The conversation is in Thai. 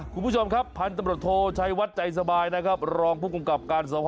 คุณผู้ชมครับพันธุ์ตำรวจโทรชายวัดใจสบายนะครับ